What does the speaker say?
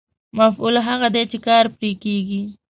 مفعول هغه دی چې کار پرې کېږي.